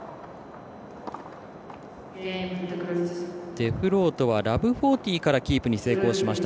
デフロートは０−４０からキープに成功しました。